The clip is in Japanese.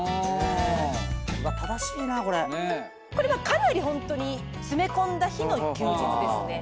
かなりホントに詰め込んだ日の休日ですね。